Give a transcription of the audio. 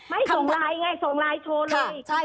ไม่ส่งไลน์ไงส่งไลน์โชว์เลย